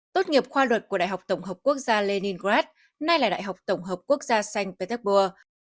tốt nghiệp khoa luật của đại học tổng hợp quốc gia leningrad nay là đại học tổng hợp quốc gia xanh petersburg